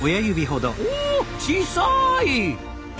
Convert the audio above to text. おお小さい！